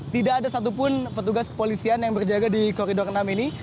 tidak ada satupun petugas kepolisian yang berjaga di koridor enam ini